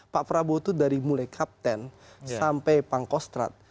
pak prabowo itu dari mulai kapten sampai pangkostrat